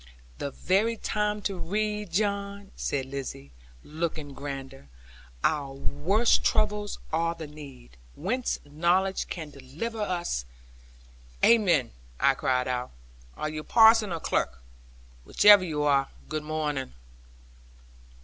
'The very time to read, John,' said Lizzie, looking grander; 'our worst troubles are the need, whence knowledge can deliver us.' 'Amen,' I cried out; 'are you parson or clerk? Whichever you are, good morning.'